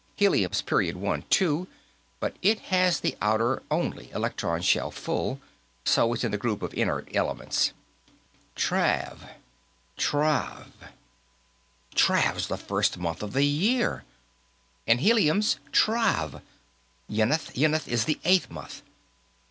"Helium's period one, too, but it has the outer only electron shell full, so it's in the group of inert elements." "Trav, Trav. Trav's the first month of the year. And helium's Trav, Yenth; Yenth is the eighth month."